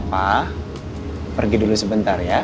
pak pergi dulu sebentar ya